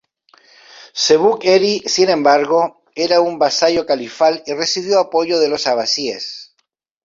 Sebük-eri, sin embargo, era un vasallo califal y recibió apoyo de los abasíes.